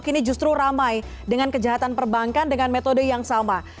kini justru ramai dengan kejahatan perbankan dengan metode yang sama